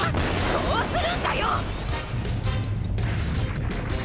こうするんだよ！